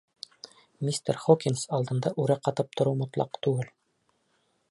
Мистер Хокинс алдында үрә ҡатып тороу мотлаҡ түгел.